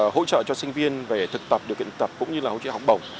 hỗ trợ cho sinh viên về thực tập điều kiện tập cũng như là hỗ trợ học bổng